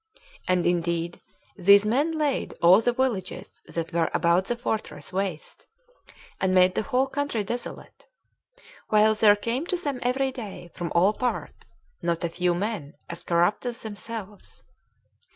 And indeed these men laid all the villages that were about the fortress waste, and made the whole country desolate; while there came to them every day, from all parts, not a few men as corrupt as themselves.